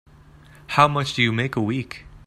How much do you make a week?